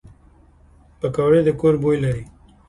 پکورې د کور بوی لري